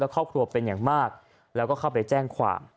ครอบครัวเป็นอย่างมากแล้วก็เข้าไปแจ้งความ